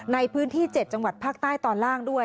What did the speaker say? ในพื้นที่๗จังหวัดภาคใต้ตอนล่างด้วย